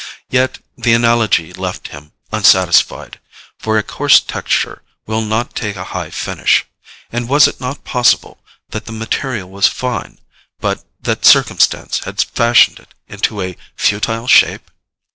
Yet the analogy left him unsatisfied, for a coarse texture will not take a high finish; and was it not possible that the material was fine, but that circumstance had fashioned it into a futile shape?